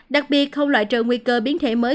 đặc biệt không loại trừ nguy cơ biến thể mới